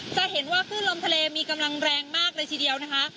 จะเห็นว่าคลื่นลมทะเลมีกำลังแรงมากเลยทีเดียวนะคะ